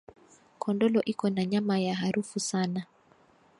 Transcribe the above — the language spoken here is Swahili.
Kondolo iko na nyama ya arufu sana